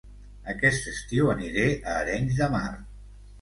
Aquest estiu aniré a Arenys de Mar